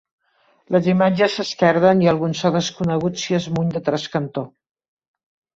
Les imatges s'esquerden i algun so desconegut s'hi esmuny de trascantó.